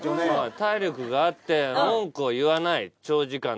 体力があって文句を言わない長時間でも。